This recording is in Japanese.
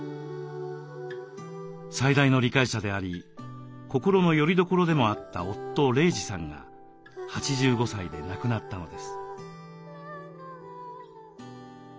最大の理解者であり心のよりどころでもあった夫・玲児さんが８５歳で亡くなったのです。